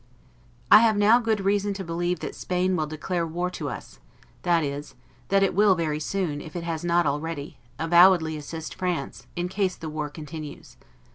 I have now good reason to believe that Spain will declare war to us, that is, that it will very soon, if it has not already, avowedly assist France, in case the war continues.